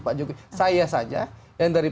pak jokowi saya saja yang dari